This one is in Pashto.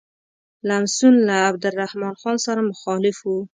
لمسون له عبدالرحمن خان سره مخالف شو.